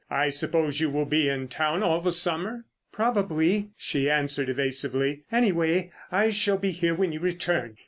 "I suppose you will be in town all the summer?" "Probably," she answered evasively. "Anyway, I shall be here when you return.